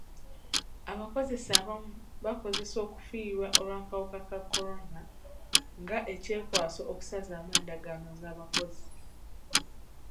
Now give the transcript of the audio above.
Abakozesa abamu bakozesa okufiirwa olw'akawuka ka corona nga ekyekwaso okusazaamu endagaano z'abakozi.